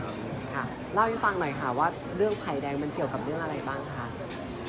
ค่ะเล่าให้ฟังหน่อยค่ะว่าเรื่องไผ่แดงมันเกี่ยวกับเรื่องอะไรบ้างคะ